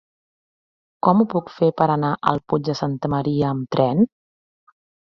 Com ho puc fer per anar al Puig de Santa Maria amb tren?